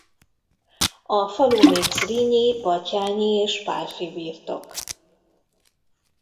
A falu még Zrínyi Batthyány és Pálffyi birtok.